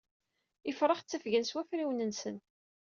Ifrax ttafgen s wafriwen-nsen.